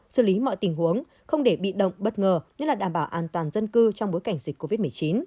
xử lý mọi tình huống không để bị động bất ngờ nhất là đảm bảo an toàn dân cư trong bối cảnh dịch covid một mươi chín